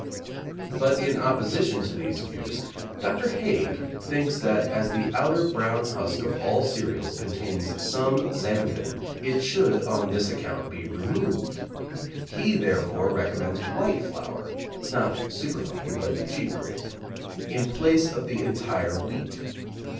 But in opposition to these views Dr. Haig thinks that as the outer brown husk of all cereals contains some xanthin, it should on this account be removed. He therefore recommends white flour, (not superfine, but cheap grade), in place of the entire wheat.